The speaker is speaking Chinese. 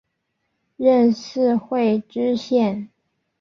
任四会知县。